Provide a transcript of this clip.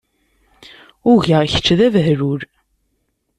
Ugaɣ kečč d abehlul.